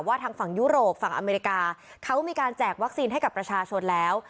ทางฝั่งยุโรปฝั่งอเมริกาเขามีการแจกวัคซีนให้กับประชาชนแล้ว